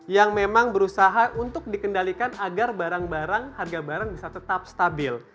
yang memang berusaha untuk dikendalikan agar barang barang harga barang bisa tetap stabil